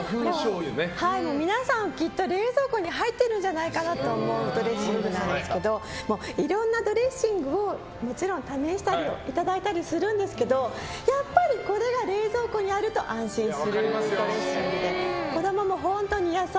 皆さん、きっと冷蔵庫に入ってるんじゃないかなと思うドレッシングなんですけどいろんなドレッシングをもちろん試していただいたりするんですけどやっぱり、これが冷蔵庫にあると安心するドレッシングで子供も本当に野菜